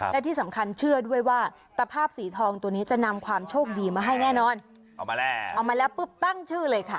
และที่สำคัญเชื่อด้วยว่าตะภาพสีทองตัวนี้จะนำความโชคดีมาให้แน่นอนเอามาแล้วเอามาแล้วปุ๊บตั้งชื่อเลยค่ะ